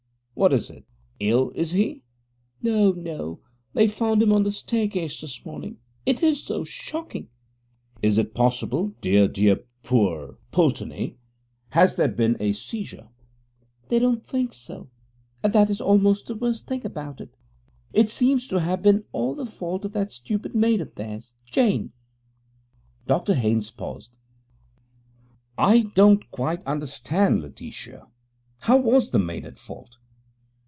What is it ill, is he?' 'No, no; they found him on the staircase this morning; it is so shocking.' 'Is it possible! Dear, dear, poor Pulteney! Had there been any seizure?' 'They don't think so, and that is almost the worst thing about it. It seems to have been all the fault of that stupid maid of theirs, Jane.' Dr Haynes paused. 'I don't quite understand, Letitia. How was the maid at fault?'